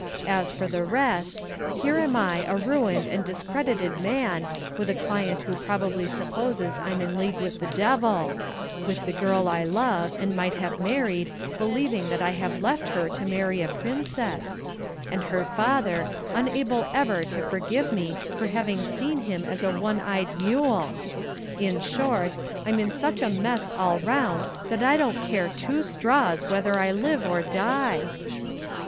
As for the rest here am I, a ruined and discredited man, with a client who probably supposes I'm in league with the Devil; with the girl I love, and might have married, believing that I have left her to marry a Princess; and her father, unable ever to forgive me for having seen him as a one eyed mule. In short, I'm in such a mess all round that I don't care two straws whether I live or die!"